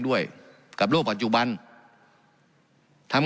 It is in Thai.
การปรับปรุงทางพื้นฐานสนามบิน